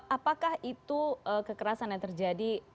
apakah itu kekerasan yang terjadi